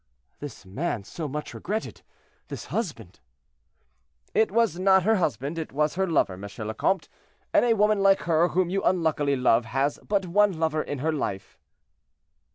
"This man so much regretted, this husband—" "It was not her husband, it was her lover, M. le Comte, and a woman like her whom you unluckily love has but one lover in her life."